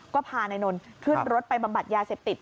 ก็พานายนนท์ขึ้นรถไปบำบัดยาเสพติด